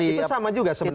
itu sama juga sebenarnya